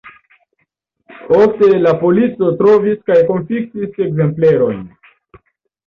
Ofte la polico trovis kaj konfiskis ekzemplerojn.